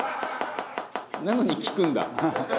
「なのに聞くんだ」